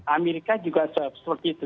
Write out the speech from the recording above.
amerika juga seperti itu